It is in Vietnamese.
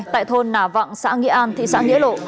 tại thôn nà vọng xã nghĩa an thị xã nghĩa lộ